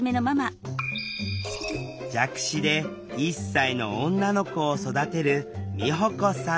弱視で１歳の女の子を育てる美保子さん